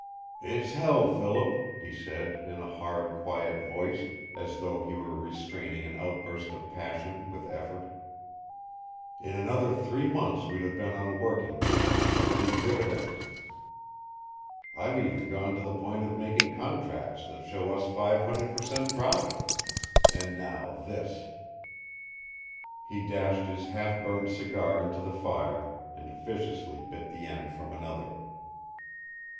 "It's hell, Philip," he said, in a hard, quiet voice, as though he were restraining an outburst of passion with effort. "In another three months we'd have been on a working basis, earning dividends. I've even gone to the point of making contracts that show us five hundred per cent, profit. And now this!" He dashed his half burned cigar into the fire, and viciously bit the end from another.